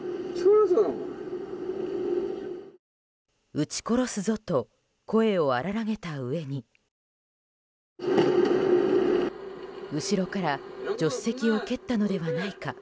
うち殺すぞと声を荒らげたうえに後ろから助手席を蹴ったのではないか。